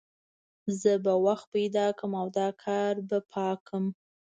زه به وخت پیدا کړم او دا کارونه به پاک کړم